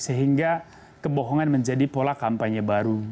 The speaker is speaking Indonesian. sehingga kebohongan menjadi pola kampanye baru